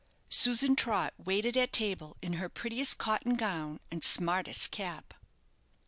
Susan Trott waited at table in her prettiest cotton gown and smartest cap.